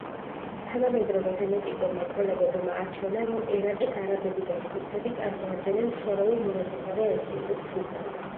თანამედროვე გენეტიკურმა კვლევებმა აჩვენა, რომ ერაყის არაბები და ქურთები წარმოადგენენ შორეულ მონათესავე ეთნიკურ ჯგუფებს.